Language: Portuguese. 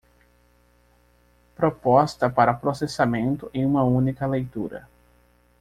Proposta para processamento em uma única leitura.